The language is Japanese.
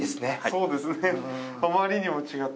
そうですね。